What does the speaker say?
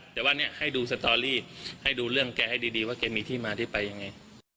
แต่ว่าเนี่ยให้ดูสตอรี่ให้ดูเรื่องแกให้ดีว่าแกมีที่มาที่ไปยังไง